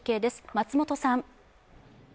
松本さん。